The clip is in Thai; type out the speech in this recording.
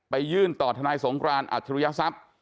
ไปยื่นต่อทนายสงครานอัตรุยศัพท์